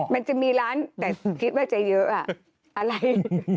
มันจะมีร้านแต่คิดว่าจะเยอะอะไร